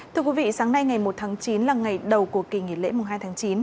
thưa quý vị sáng nay ngày một tháng chín là ngày đầu của kỳ nghỉ lễ hai tháng chín